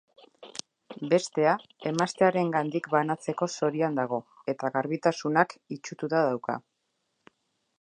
Bestea, emaztearengandik banatzeko zorian dago, eta garbitasunak itsututa dauka.